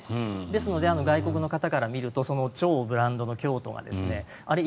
ですので外国の方から見ると超ブランドの京都があれ？